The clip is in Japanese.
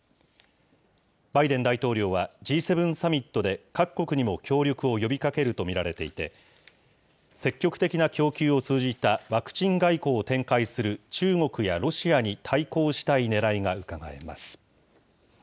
バイデン大統領は、Ｇ７サミットで各国にも協力を呼びかけると見られていて、積極的な供給を通じたワクチン外交を展開する中国やロシアに対抗したいねらいがうかがえます。